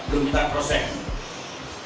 belum kita kosek